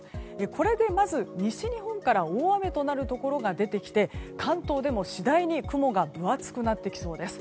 これでまず西日本から大雨となるところが出てきて関東でも次第に雲が分厚くなってきそうです。